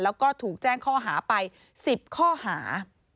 แล้วก็ถูกแจ้งข้อหาไป๑๐ข้อหา